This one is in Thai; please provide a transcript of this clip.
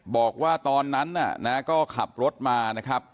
บอกว่าตอนนั้นน่ะนะก็ขับรถมานะครับ